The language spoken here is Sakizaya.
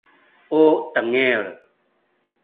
u tengil